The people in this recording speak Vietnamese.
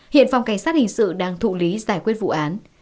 hiện phòng cảnh sát hình sự đang thụ lý giải quyết vụ án